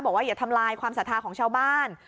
บอกว่าอย่าทำลายความสาธาของชาวบ้าน